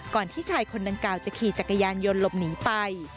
ที่ชายคนดังกล่าวจะขี่จักรยานยนต์หลบหนีไป